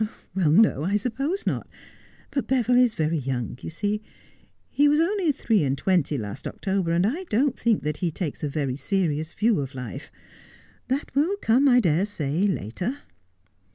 ' Well, no, I suppose not. But Beville is very young, you see. He was only three and twenty last October, and I don't think that he takes a very serious view of life. That will come, I dare say, later.'